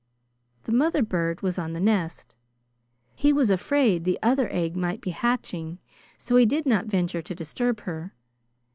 The mother bird was on the nest. He was afraid the other egg might be hatching, so he did not venture to disturb her.